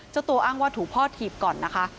เจ้าตัวอ้างว่าถูกพ่อถีบก่อนนะคะ